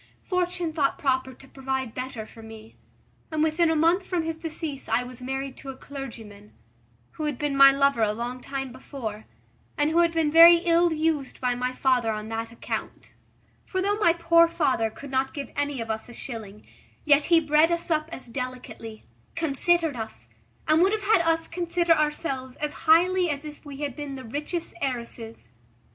Fortune thought proper to provide better for me, and within a month from his decease I was married to a clergyman, who had been my lover a long time before, and who had been very ill used by my father on that account: for though my poor father could not give any of us a shilling, yet he bred us up as delicately, considered us, and would have had us consider ourselves, as highly as if we had been the richest heiresses.